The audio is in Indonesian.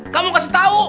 kamu kasih tahu